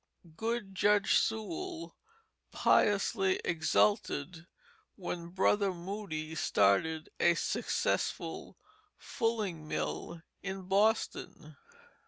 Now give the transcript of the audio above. Good Judge Sewall piously exulted when Brother Moody started a successful fulling mill in Boston.